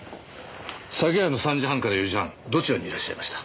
昨夜の３時半から４時半どちらにいらっしゃいました？